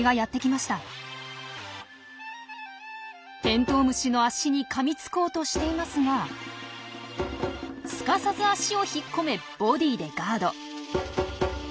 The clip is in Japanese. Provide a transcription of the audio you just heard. テントウムシの脚にかみつこうとしていますがすかさず脚を引っ込めボディーでガード。